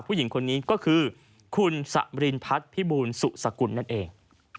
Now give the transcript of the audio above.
ผู้หญิงคนนี้ก็คือคุณสมรินพัฒน์พิบูลสุสกุลนั่นเอง